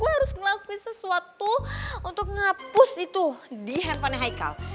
gue harus ngelakuin sesuatu untuk ngapus itu di handphonenya haikal